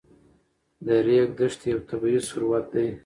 د ریګ دښتې یو طبعي ثروت دی.